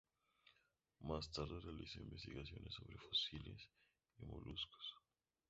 Más tarde realizó investigaciones sobre fósiles y moluscos.